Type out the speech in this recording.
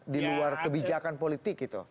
diluar kebijakan politik gitu